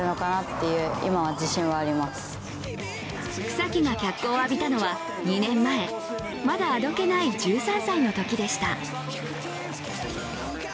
草木が脚光を浴びたのは２年前、まだあどけない１３歳のときでした。